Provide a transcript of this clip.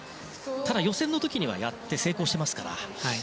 ただ予選の時にはやって成功していますから。